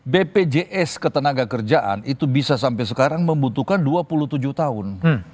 bpjs ketenaga kerjaan itu bisa sampai sekarang membutuhkan dua puluh tujuh tahun